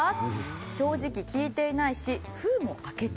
正直聴いていないし封も開けていない。